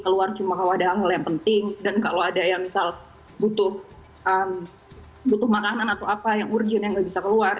keluar cuma kalau ada hal hal yang penting dan kalau ada yang misal butuh makanan atau apa yang urgent yang nggak bisa keluar